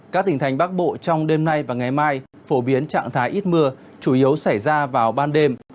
các tỉnh thành bắc bộ trong đêm nay và ngày mai phổ biến trạng thái ít mưa chủ yếu xảy ra vào ban đêm